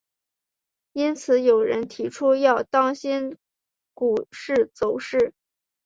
因此有人提出要当心股市走势。